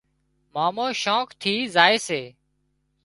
مامو شوق ٿي زائي سي